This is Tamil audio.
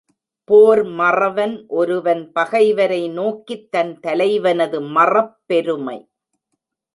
போர் மறவன் ஒருவன் பகைவரை நோக்கித் தன் தலைவனது மறப் பெருமை.